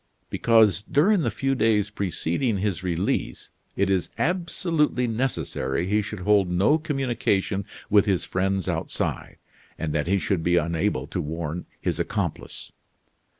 "Because, during the few days preceding his release, it is absolutely necessary he should hold no communication with his friends outside, and that he should be unable to warn his accomplice."